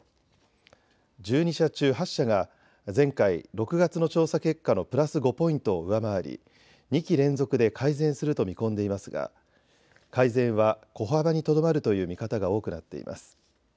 １２社中８社が前回６月の調査結果のプラス５ポイントを上回り、２期連続で改善すると見込んでいますが改善は小幅にとどまるという見方が多くなっています。